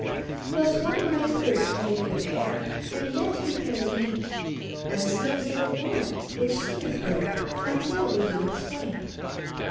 Thus, one ripe fruit may be a pear, and yet be pared again, And still no one, which seemeth rare until we do explain.